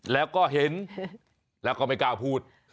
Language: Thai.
แล้วก็เห็นแล้วก็ไม่กล้าพูด